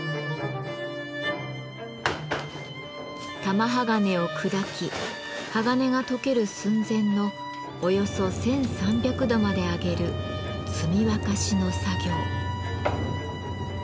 玉鋼を砕き鋼が溶ける寸前のおよそ１，３００度まで上げる「積沸し」の作業。